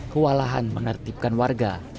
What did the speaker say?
kewalahan menertibkan warga